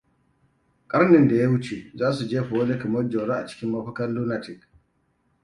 Karnin da ya wuce za su jefa wani kamar Jaurou a cikin mafakar lunatic.